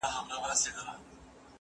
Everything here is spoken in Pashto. زه به واښه راوړلي وي!.